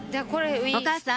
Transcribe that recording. お母さん